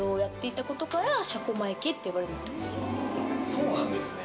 そうなんですね。